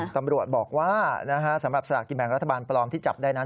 ตำรวจบอกว่าสำหรับสลากกินแบ่งรัฐบาลปลอมที่จับได้นั้น